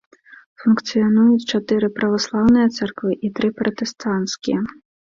Функцыянуюць чатыры праваслаўныя царквы і тры пратэстанцкія.